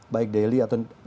baik daily atau